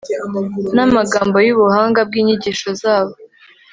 n'amagambo y'ubuhanga bw'inyigisho zabo